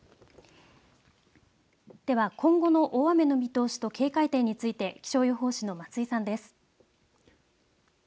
では今後の大雨の見通しと警戒点について気象予報士の松井さんです。